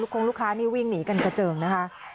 คงลูกค้านี่วิ่งหนีกันกระเจิงนะคะ